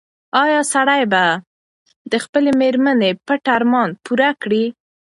ایا سړی به د خپلې مېرمنې پټ ارمان پوره کړي؟